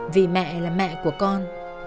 vì mẹ là mẹ của con